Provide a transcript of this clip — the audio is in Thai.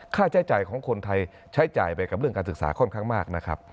ค่าใช้จ่ายของคนไทยใช้จ่ายไปกับเรื่องการศึกษาค่อนข้างมากนะครับ